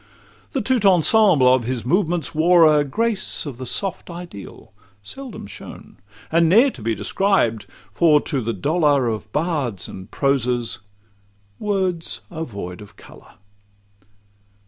The 'tout ensemble' of his movements wore a Grace of the soft ideal, seldom shown, And ne'er to be described; for to the dolour Of bards and prosers, words are void of colour.